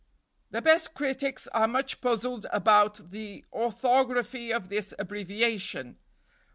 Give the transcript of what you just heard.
The best critics are much puzzled about the orthography of this abbreviation.